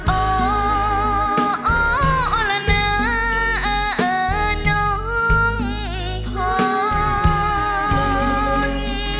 โอ้โอ้โอละเนอะเอ่อเอ่อน้องผ่อน